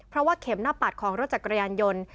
เพราะว่าเข็มหน้าปัดของรถจักรยานยนต์